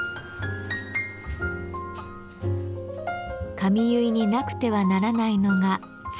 髪結いになくてはならないのがつげ櫛。